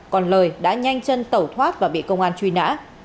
còn lời đã nhanh chân tẩu thoát và bị công an truy nã